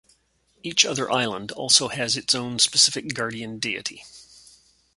Each other island also has its own specific guardian deity.